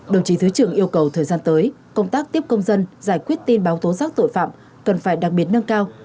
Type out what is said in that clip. đồng chí thứ trưởng yêu cầu thời gian tới công tác tiếp công dân giải quyết tin báo tố giác tội phạm cần phải đặc biệt nâng cao